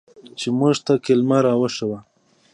چې موږ ته کلمه راوښييه.